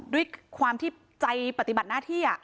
ด้วยความที่ใจปฏิบัติหน้าที่